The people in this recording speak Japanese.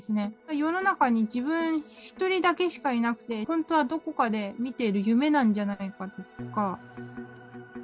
世の中に自分一人だけしかいなくて、本当はどこかで見てる夢なんじゃないかとか。